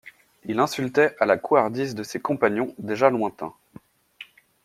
Il insultait à la couardise de ses compagnons, déjà lointains.